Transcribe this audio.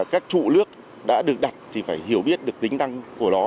các trụ nước đã được đặt thì phải hiểu biết được tính năng của nó